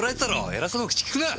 エラそうな口利くな！